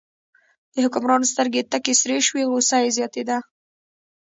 د حکمران سترګې تکې سرې شوې، غوسه یې زیاتېده.